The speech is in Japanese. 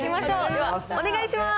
では、お願いします。